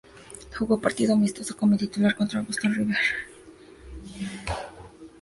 Jugó un partido amistoso como titular contra Boston River.